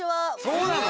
そうなの？